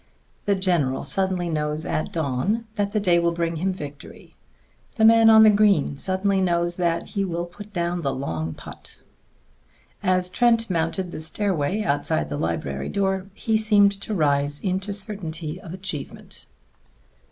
The general suddenly knows at dawn that the day will bring him victory; the man on the green suddenly knows that he will put down the long putt. As Trent mounted the stairway outside the library door he seemed to rise into certainty of achievement.